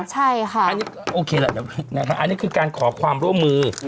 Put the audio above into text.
ใช่ค่ะอันนี้โอเคแหละอันนี้คือการขอความร่วมมือ